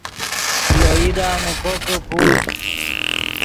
یو ایدا من کوکے پور